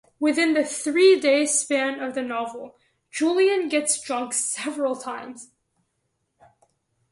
Within the three-day time span of the novel, Julian gets drunk several times.